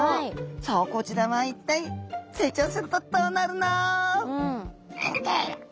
さあこちらは一体成長するとどうなるの？